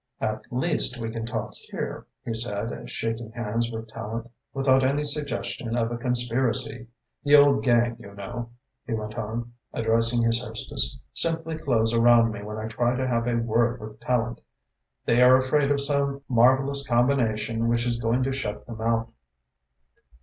"At least we can talk here," he said, shaking hands with Tallente, "without any suggestion of a conspiracy. The old gang, you know," he went on, addressing his hostess, "simply close around me when I try to have a word with Tallente. They are afraid of some marvellous combination which is going to shut them out."